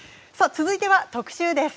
続いては特集です。